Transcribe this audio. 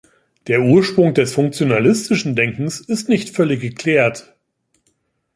Der Ursprung des funktionalistischen Denkens ist nicht völlig geklärt.